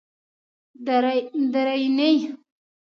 درېنۍ